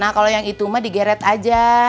nah kalau yang itu mah digeret aja